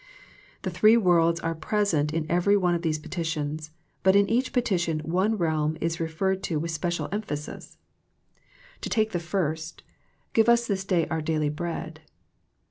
The three worlds are present in every one of these petitions, but in each peti tion one realm is referred to with special em THE PLANE OF PEAYEE 87 phasis. To take the first, " Give us this day our dailj bread."